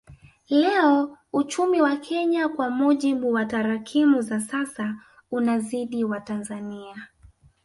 Leo uchumi wa Kenya kwa mujibu wa tarakimu za sasa unazidi wa Tanzania